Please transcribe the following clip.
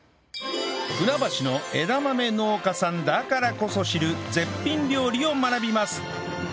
船橋の枝豆農家さんだからこそ知る絶品料理を学びます